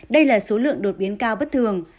đây là số lượng đột biến cao bất thường